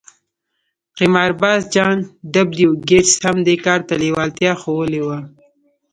قمارباز جان ډبلیو ګیټس هم دې کار ته لېوالتیا ښوولې وه